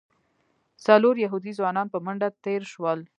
څلور یهودي ځوانان په منډه تېر شول.